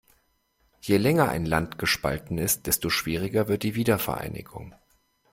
Je länger ein Land gespalten ist, desto schwieriger wird die Wiedervereinigung.